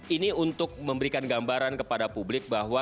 ini untuk memberikan gambaran kepada publik bahwa